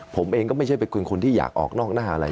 ผมเองก็ไม่ใช่เป็นคนที่อยากออกนอกหน้าอะไร